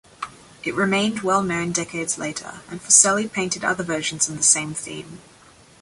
It remained well-known decades later, and Fuseli painted other versions on the same theme.